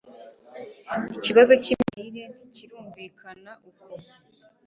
Ikibazo cyimirire ntikirumvikana uko